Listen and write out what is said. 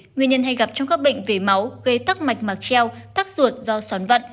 nguyên nhân hay gặp trong các bệnh về máu gây tắc mạch mạc treo tắc ruột do són vặn